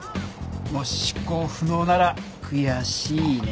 もし執行不能なら悔しいねえ。